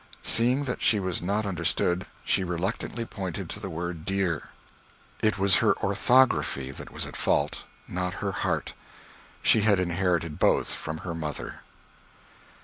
Seeing that she was not understood, she reluctantly pointed to that word "Deer." It was her orthography that was at fault, not her heart. She had inherited both from her mother.